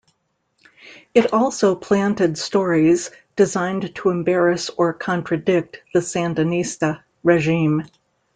It also planted stories designed to embarrass or contradict the Sandinista regime.